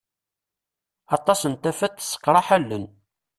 Aṭas n tafat tesseqṛaḥ allen.